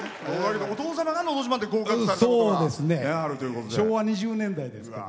お父様が「のど自慢」で合格されたことが昭和２０年代ですけど。